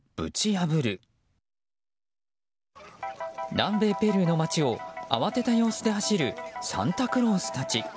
南米ペルーの街を慌てた様子で走るサンタクロースたち。